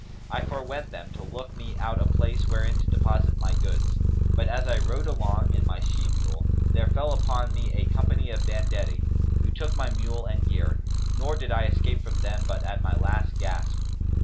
I forewent them, to look me out a place wherein to deposit my goods: but, as I rode along on my she mule, there fell upon me a company of banditti, who took my mule and gear; nor did I escape from them but at my last gasp."